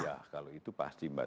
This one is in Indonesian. ya kalau itu pasti mbak